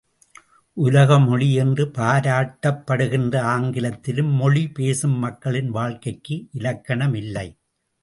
உலகமொழி என்று பாராட்டப்படுகின்ற ஆங்கிலத்திலும் மொழி பேசும் மக்களின் வாழ்க்கைக்கு இலக்கணமில்லை.